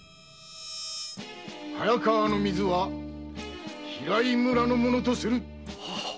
早川の水は平井村のものとする。